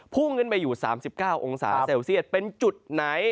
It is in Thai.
พุ่งขึ้นไปอยู่๓๙องศาเซลเซียตเป็นจุดไหน